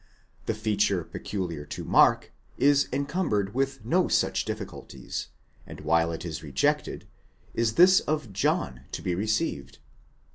The feature peculiar to Mark is encumbered with no such difficulties, and while it is rejected, is this of John to be received?